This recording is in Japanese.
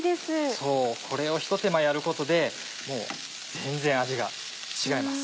そうこれをひと手間やることでもう全然味が違います。